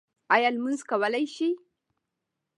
ایا لمونځ کولی شئ؟